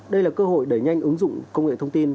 đây là cơ hội đẩy nhanh ứng dụng công nghệ thông tin